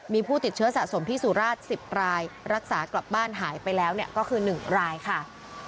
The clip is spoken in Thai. มีผู้ติดเชื้อสะสมที่สุราช๑๐รายรักษากลับบ้านหายไปแล้วก็คือ๑รายค่ะ